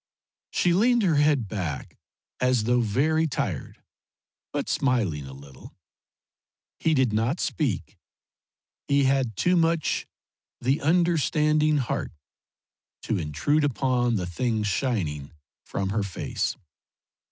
She leaned her head back as though very tired, but smiling a little. He did not speak; he had too much the understanding heart to intrude upon the things shining from her face.